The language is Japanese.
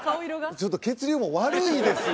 ちょっと血流も悪いですよ！